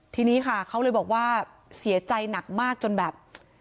ทีนี้ค่ะเขาเลยบอกว่าเสียใจหนักมากจนแบบ